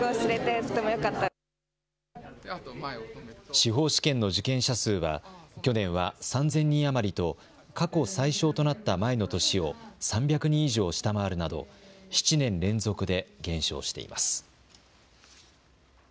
司法試験の受験者数は去年は３０００人余りと過去最少となった前の年を３００人以上下回るなど７年連続で減少しています。